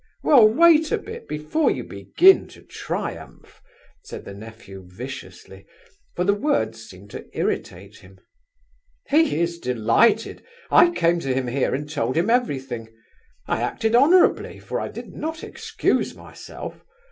"Well, wait a bit, before you begin to triumph," said the nephew viciously; for the words seemed to irritate him. "He is delighted! I came to him here and told him everything: I acted honourably, for I did not excuse myself.